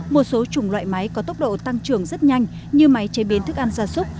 một số chủng loại máy có tốc độ tăng trưởng rất nhanh như máy chế biến thức ăn gia súc